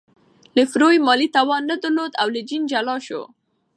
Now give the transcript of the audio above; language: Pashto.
لفروی مالي توان نه درلود او له جین جلا شو.